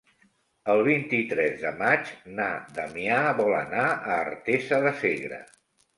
El vint-i-tres de maig na Damià vol anar a Artesa de Segre.